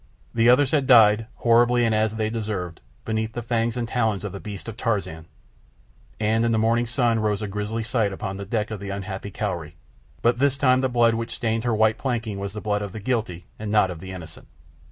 The others had died, horribly, and as they deserved, beneath the fangs and talons of the beasts of Tarzan, and in the morning the sun rose on a grisly sight upon the deck of the unhappy Cowrie; but this time the blood which stained her white planking was the blood of the guilty and not of the innocent.